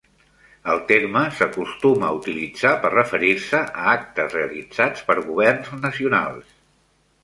El terme s'acostuma a utilitzar per referir-se a actes realitzats per governs nacionals.